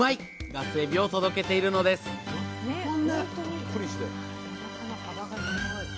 ガスエビを届けているのですうわ